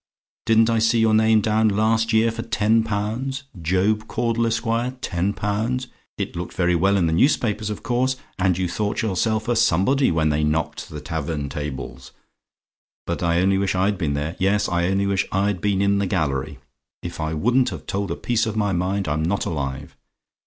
Didn't I see your name down last year for ten pounds? 'Job Caudle, Esq., 10 pounds.' It looked very well in the newspapers, of course: and you thought yourself a somebody, when they knocked the tavern tables; but I only wish I'd been there yes, I only wish I'd been in the gallery. If I wouldn't have told a piece of my mind, I'm not alive.